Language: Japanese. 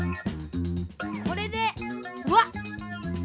これでうわっ！